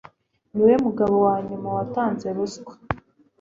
Niwe mugabo wanyuma watanze ruswa.